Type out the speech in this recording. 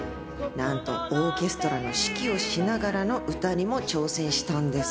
なんとオーケストラの指揮をしながらの歌にも挑戦したんです。